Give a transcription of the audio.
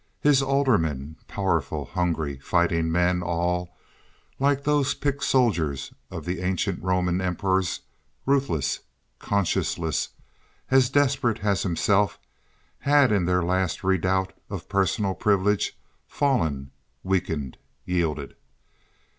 His aldermen, powerful, hungry, fighting men all—like those picked soldiers of the ancient Roman emperors—ruthless, conscienceless, as desperate as himself, had in their last redoubt of personal privilege fallen, weakened, yielded.